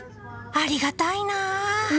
ありがたいなあ。